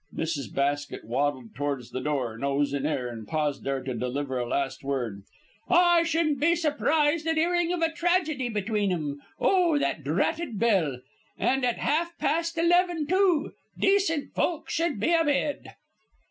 Mrs. Basket waddled towards the door, nose in air, and paused there to deliver a last word: "I shouldn't be surprised at 'earing of a tragedy between 'em. Oh, that dratted bell! And at half past eleven, too! Decent folk should be a bed."